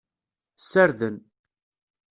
Ssarden.